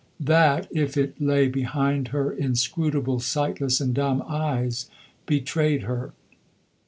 That, if it lay behind her inscrutable, sightless and dumb eyes, betrayed her.